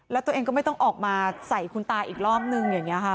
แล้วตัวเองก็ไม่ต้องออกมาใส่คุณตาอีกรอบนึงอย่างนี้ค่ะ